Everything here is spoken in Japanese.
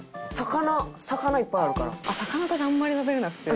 魚私あんまり食べられなくて。